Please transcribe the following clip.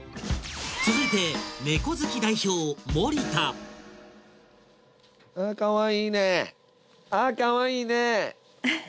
続いて猫好き代表森田あかわいいねあかわいいねハハハ